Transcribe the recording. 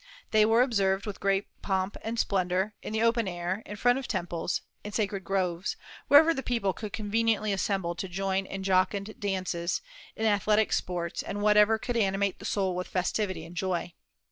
They were observed with great pomp and splendor in the open air in front of temples, in sacred groves, wherever the people could conveniently assemble to join in jocund dances, in athletic sports, and whatever could animate the soul with festivity and joy.